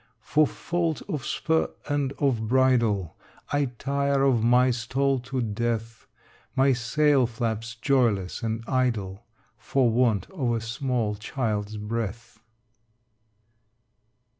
For fault of spur and of bridle I tire of my stall to death: My sail flaps joyless and idle For want of a small child's breath.